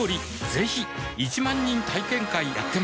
ぜひ１万人体験会やってますはぁ。